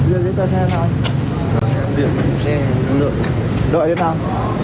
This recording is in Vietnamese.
điện tờ xe lực lượng chức năng